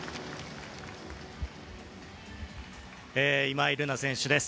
今井月選手です。